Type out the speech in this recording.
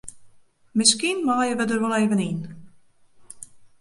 Miskien meie we der wol even yn.